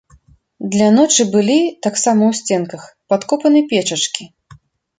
Для ночы былі, таксама ў сценках, падкопаны печачкі.